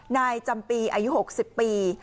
นายจำปีอายุหกสิบปี